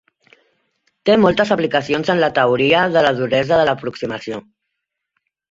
Té moltes aplicacions en la teoria de la duresa de l'aproximació.